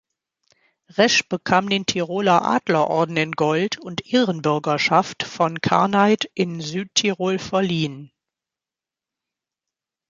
Resch bekam den Tiroler Adler-Orden in Gold und Ehrenbürgerschaft von Karneid in Südtirol verliehen.